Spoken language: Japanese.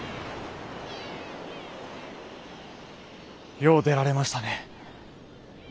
よう出られましたね。